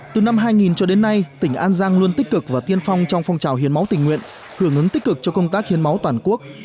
từ năm hai nghìn cho đến nay tỉnh an giang luôn tích cực và tiên phong trong phong trào hiến máu tình nguyện hưởng ứng tích cực cho công tác hiến máu toàn quốc